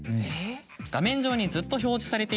画面上にずっと表示されていたもの。